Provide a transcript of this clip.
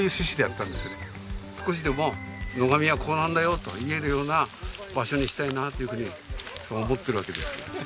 少しでも野上はこうなんだよと言えるような場所にしたいなというふうにそう思ってるわけですよ。